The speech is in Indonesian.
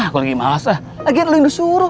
kalo lagi malas agaknya lo yang disuruh